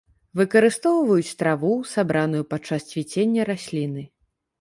Выкарыстоўваюць траву, сабраную падчас цвіцення расліны.